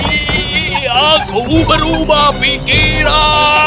iiiii aku berubah pikiran